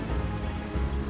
kalau kamu pengangguran